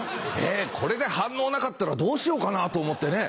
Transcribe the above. これで反応なかったらどうしようかなと思ってね。